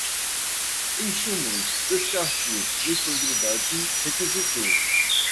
insumos, descarte, disponibilidade, requisitado